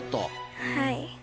はい。